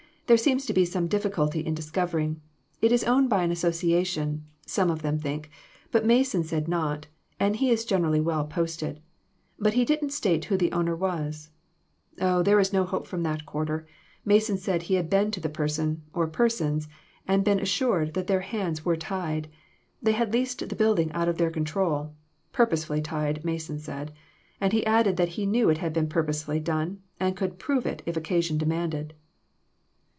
There seems to be some difficulty in discovering. It is owned by an association, some of them think ; but Mason said not, and he is generally well posted. But he didn't state who the owner was. Oh, there is no hope from that quarter. Mason said he had been to the person, or persons, and been assured that their hands were tied. They had leased the building out of their control. Pur posely tied, Mason said ; and he added that he knew it had been purposely done, and could prove it, if occasion demanded."